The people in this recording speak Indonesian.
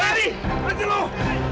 wadih jangan lagi loh